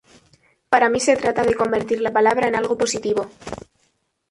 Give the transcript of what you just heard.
Para mí se trata de convertir la palabra en algo positivo".